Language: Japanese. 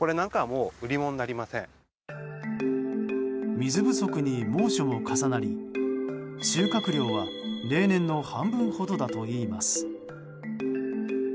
水不足に猛暑も重なり収穫量は例年の半分ほどだといいます。